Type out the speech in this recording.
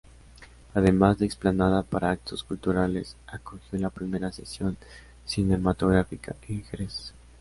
Además de explanada para actos culturales, acogió la primera sesión cinematográfica en Jerez.